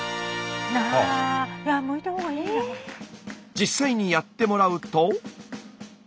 実際にやってもらうと。